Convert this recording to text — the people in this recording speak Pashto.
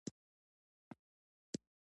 د افغانانو کلتور ډير پیاوړی دی.